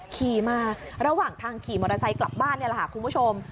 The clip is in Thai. ขี่มาระหว่างทางขี่มอเตอร์ไซค์กลับบ้านนี่แหละค่ะคุณผู้ชม